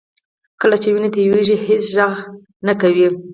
کله چې وینه تویېږي هېڅ غږ نه کوي